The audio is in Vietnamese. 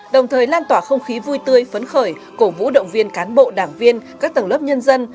đồng thời lan tỏa không khí vui tươi phấn khởi cổ vũ động viên cán bộ đảng viên các tầng lớp nhân dân